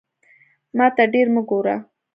ماته ډیر مه ګوره